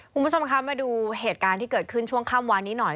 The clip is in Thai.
คุณผู้ชมคะมาดูเหตุการณ์ที่เกิดขึ้นช่วงค่ำวานนี้หน่อย